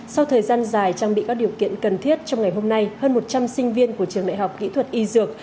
sau thời gian dài trang bị các điều kiện cần thiết trong ngày hôm nay hơn một trăm linh sinh viên của trường đại học kỹ thuật y dược